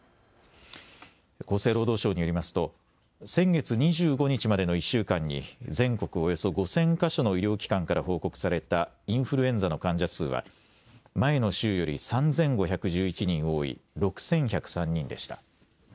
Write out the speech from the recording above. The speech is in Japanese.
厚生労働省によりますと先月２５日までの１週間に全国およそ５０００か所の医療機関から報告されたインフルエンザの患者数は前の週より３５１１人多い６１０３人でした。